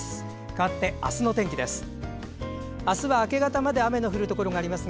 かわって明日の天気です。